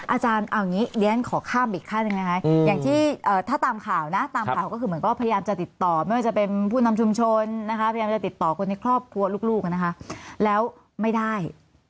อาจารย์เอาอย่างนี้เรียนขอข้ามอีกขั้นหนึ่งนะคะอย่างที่ถ้าตามข่าวนะตามข่าวก็คือเหมือนก็พยายามจะติดต่อไม่ว่าจะเป็นผู้นำชุมชนนะคะพยายามจะติดต่อคนในครอบครัวลูกนะคะแล้วไม่ได้